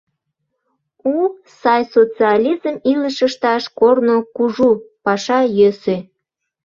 У, сай, социализм илыш ышташ корно кужу, паша йӧсӧ.